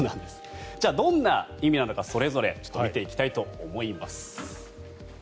どんな意味なのかそれぞれ見ていきたいと思います。